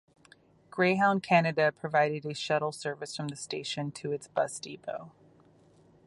Greyhound Canada provided a shuttle service from the station to its bus depot.